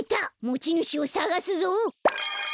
もちぬしをさがすぞ！